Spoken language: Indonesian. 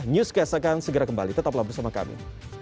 news ks akan segera kembali tetaplah bersama kami